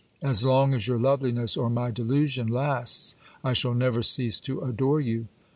As long as your loveli ness or my delusion lasts, I shall never cease to adore you.